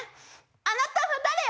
あなたは誰よ？